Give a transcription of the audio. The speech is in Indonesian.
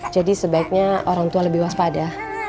sebaiknya orang tua lebih waspada